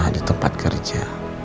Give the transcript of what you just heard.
di tempat kerja